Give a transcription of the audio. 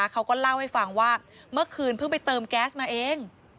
เขาก็เล่าให้ฟังว่าเมื่อคืนเพิ่งไปเติมแก๊สมาเอง